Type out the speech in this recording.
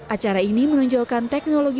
acara ini menunjukkan teknologi